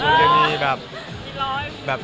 อยู่ที่พื้นมีรอยติดไพดานนะครับ